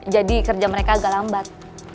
jadi kerja mereka agak lambat